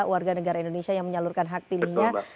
warga negara indonesia yang menyalurkan hak pilihnya